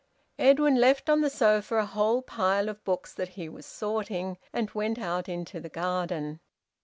Edwin left on the sofa a whole pile of books that he was sorting, and went out into the garden.